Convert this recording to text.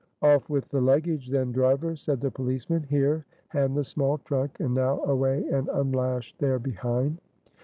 "Off with the luggage then, driver," said the policeman "here hand the small trunk, and now away and unlash there behind."